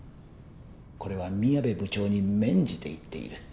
これは宮部部長に免じて言っている。